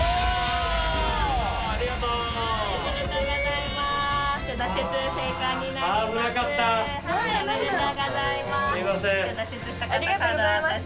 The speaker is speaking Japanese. ありがとうございます。